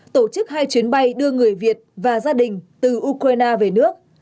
tổ chức hai chuyến bay đưa người việt và gia đình từ ukraine về nước